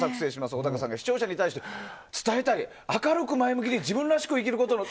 小高さんが視聴者に対して伝えたり、明るく前向きに自分らしく生きる。